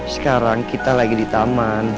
sekarang kita lagi di taman